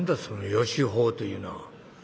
そのよしほうというのは」。